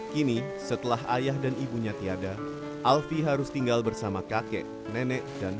kini setelah ayah dan ibunya tiada alfie harus tinggal bersama kakek nenek dan